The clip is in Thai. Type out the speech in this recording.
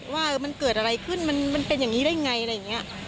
ว่ามันเกิดอะไรขึ้นมันเป็นอย่างนี้ได้ไงอะไรอย่างนี้